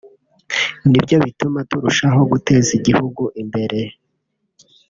nibyo bituma turushaho guteza igihugu imbere”